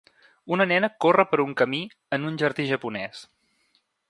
Una nena corre per un camí en un jardí japonès